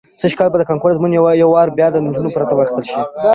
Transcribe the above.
سږ کال به د کانکور ازموینه یو وار بیا له نجونو پرته واخیستل شي.